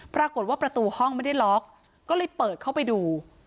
ประตูห้องไม่ได้ล็อกก็เลยเปิดเข้าไปดู